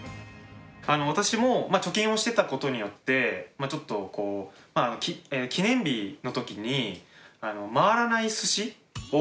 私も貯金をしてたことによってちょっと記念日の時に回らないすしを。